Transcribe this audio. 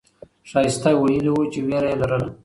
ښایسته ویلي وو چې ویره یې لرله.